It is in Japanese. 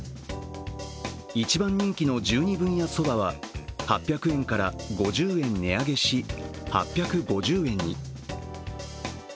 一番人気の十二分屋そばは８００円から５０円値上げし、８５０円に。